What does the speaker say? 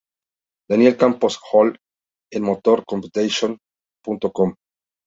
Daniel Campos Hull en MotorCompeticion.com